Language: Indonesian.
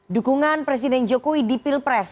dukungan presiden jokowi di pilpres